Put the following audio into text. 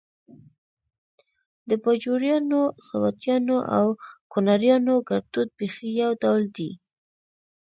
د باجوړیانو، سواتیانو او کونړیانو ګړدود بیخي يو ډول دی